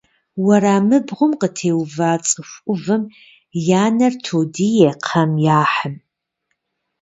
Уэрамыбгъум къытеува цӏыху ӏувым я нэр тодие кхъэм яхьым.